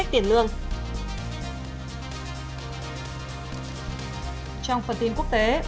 phần tin quốc tế